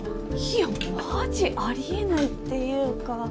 いやマジあり得ないっていうか。